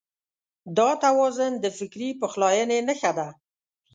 دا توازن د فکري پخلاينې نښه ده.